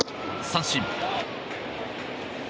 三振。